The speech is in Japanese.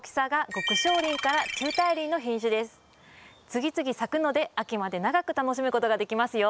次々咲くので秋まで長く楽しむ事ができますよ。